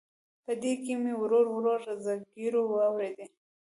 په دې کې مې ورو ورو زګیروي واورېد.